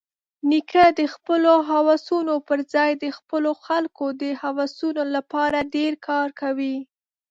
نیکه د خپلو هوسونو پرځای د خپلو خلکو د هوسونو لپاره ډېر کار کوي.